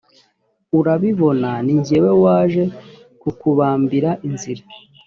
urabibona, ni jyewe waje kukubambira inzira.